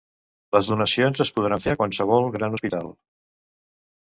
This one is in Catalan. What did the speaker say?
Les donacions es podran fer a qualsevol gran hospital.